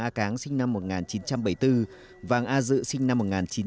vàng a cáng sinh năm một nghìn chín trăm bảy mươi bốn vàng a dự sinh năm một nghìn chín trăm tám mươi tám